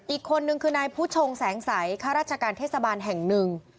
อีกคนนึงคือนายผู้ชงแสงสัยข้าราชการเทศบาลแห่งหนึ่ง